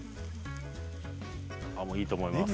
いいと思います。